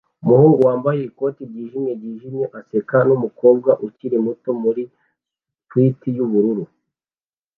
Umuhungu wambaye ikoti ryijimye ryijimye aseka numukobwa ukiri muto muri swater yubururu